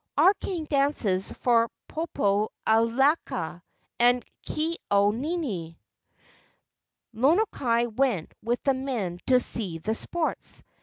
"Our king dances for Popo alaea and Ke au nini." Lono kai went with the men to see the sports.